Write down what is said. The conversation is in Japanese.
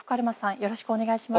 よろしくお願いします。